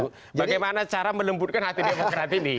bagaimana cara melembutkan hati demokrat ini